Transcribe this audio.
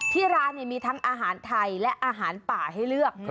ที่ร้านมีทั้งอาหารไทยและอาหารป่าให้เลือก